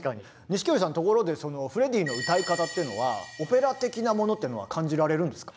錦織さんところでフレディの歌い方っていうのはオペラ的なものっていうのは感じられるんですか？